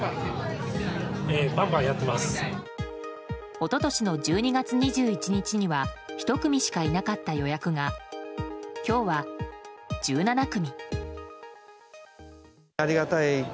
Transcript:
一昨年の１２月２１日には１組しかいなかった予約が今日は１７組。